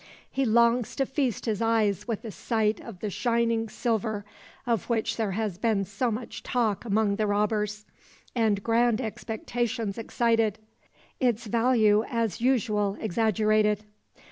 He longs to feast his eyes with a sight of the shining silver of which there has been so much talk among the robbers; and grand expectations excited; its value as I usual exaggerated.